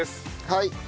はい。